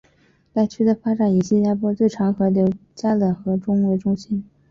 该区的发展以新加坡最长河流加冷河为中心。